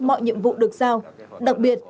mọi nhiệm vụ được sao đặc biệt